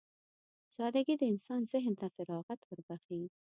سادهګي د انسان ذهن ته فراغت وربښي.